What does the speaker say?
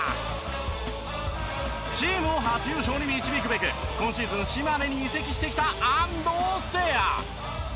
チームを初優勝に導くべく今シーズン島根に移籍してきた安藤誓哉。